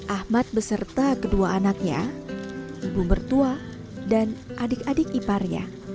ahmad beserta kedua anaknya ibu mertua dan adik adik iparnya